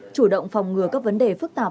chủ động phòng ngừa các vấn đề phức tạp